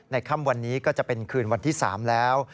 ค่ำวันนี้ก็จะเป็นคืนวันที่๓แล้ว